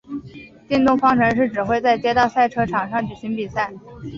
电动方程式只会在街道赛车场上举行比赛。